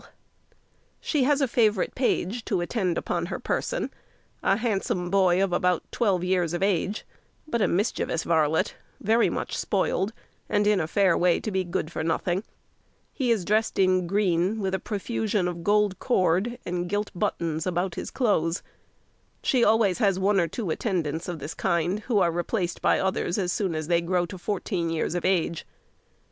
[Illustration: The Old Coachman] She has a favourite page to attend upon her person; a handsome boy of about twelve years of age, but a mischievous varlet, very much spoiled, and in a fair way to be good for nothing. He is dressed in green, with a profusion of gold cord and gilt buttons about his clothes. She always has one or two attendants of the kind, who are replaced by others as soon as they grow to fourteen years of age.